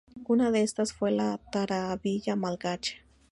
Una de estas fue la tarabilla malgache.